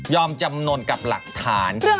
จำนวนกับหลักฐาน